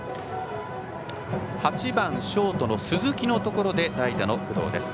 ８番ショートの鈴木のところで代打の工藤です。